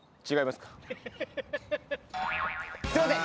すいません。